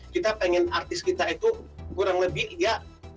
kita pengen artis kita itu kurang lebih ya